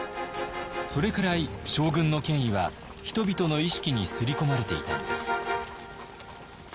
それくらい将軍の権威は人々の意識に刷り込まれていたんです。